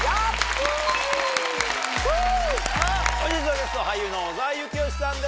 本日のゲスト俳優の小澤征悦さんです！